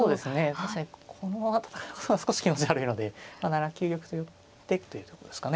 確かにこのあと少し気持ち悪いので７九玉と寄ってというとこですかね。